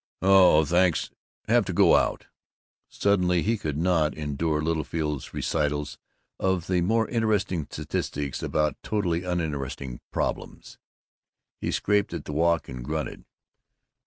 "Oh oh, thanks. Have to go out." Suddenly he could not endure Littlefield's recitals of the more interesting statistics about totally uninteresting problems. He scraped at the walk and grunted.